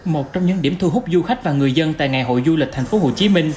một trong những điểm thu hút du khách và người dân tại ngày hội du lịch tp hcm